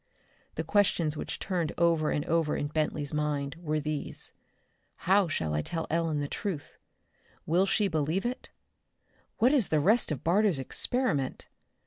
The questions which turned over and over in Bentley's mind were these: How shall I tell Ellen the truth? Will she believe it? What is the rest of Barter's experiment?